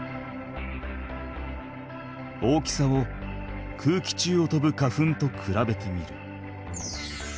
大きさを空気中をとぶ花粉とくらべてみる。